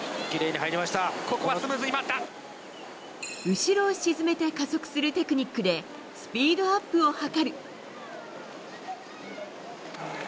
後ろを沈めて加速するテクニックでスピードアップを図る。